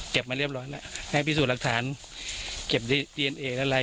เก็บมาเรียบร้อยแล้วให้พิสูจน์รักฐานเก็บดีเนเอและลาย